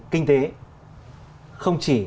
kinh tế không chỉ